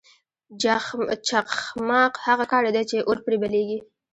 چخماق هغه کاڼی دی چې اور پرې بلیږي.